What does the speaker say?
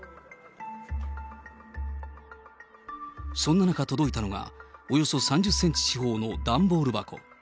そんな中、届いたのがおよそ３０センチ四方の段ボール箱。